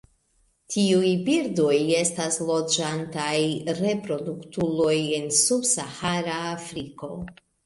Tiuj birdoj estas loĝantaj reproduktuloj en subsahara Afriko.